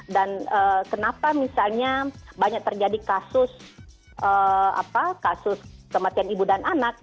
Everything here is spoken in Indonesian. dan kenapa misalnya banyak terjadi kasus kematian ibu dan anak